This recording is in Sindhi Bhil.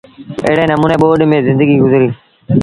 ايڙي نموٚني ٻوڏ ميݩ زندگيٚ گزريٚ۔